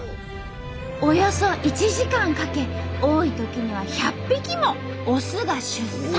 およそ１時間かけ多いときには１００匹もオスが出産。